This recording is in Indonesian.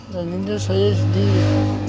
dan ini saya sendiri